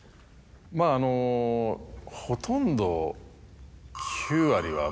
まぁあのほとんど。